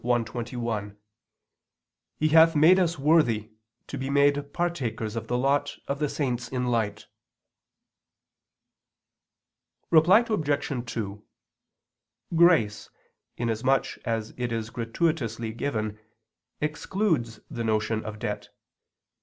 1:21: "He hath made us worthy to be made partakers of the lot of the saints in light." Reply Obj. 2: Grace, inasmuch as it is gratuitously given, excludes the notion of debt.